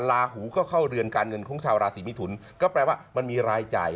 ลาหูก็เข้าเรือนการเงินของชาวราศีมิถุนก็แปลว่ามันมีรายจ่าย